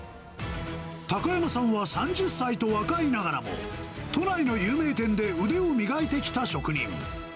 高山さんは３０歳と若いながらも、都内の有名店で腕を磨いてきた職人。